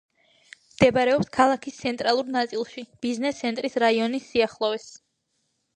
მდებარეობს ქალაქის ცენტრალურ ნაწილში, ბიზნეს ცენტრის რაიონის სიახლოვეს.